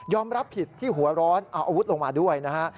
รับผิดที่หัวร้อนเอาอาวุธลงมาด้วยนะฮะ